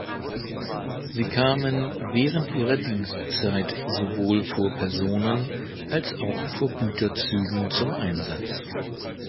Sie kamen während ihrer Dienstzeit sowohl vor Personen- als auch vor Güterzügen zum Einsatz.